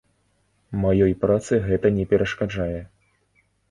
Маёй працы гэта не перашкаджае.